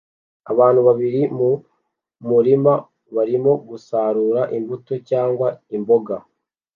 Abantu babiri mu murima barimo gusarura imbuto cyangwa imboga